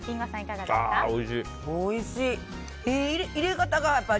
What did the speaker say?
おいしい。